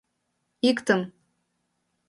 Иктым.